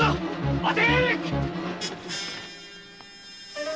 待て！